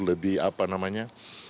lebih apa namanya